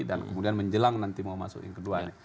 dan kemudian menjelang nanti mau masuk yang kedua